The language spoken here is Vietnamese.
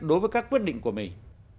đối với các quyết định của mình